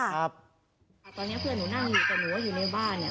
ครับตอนนี้เพื่อนหนูนั่งอยู่แต่หนูก็อยู่ในบ้านเนี่ย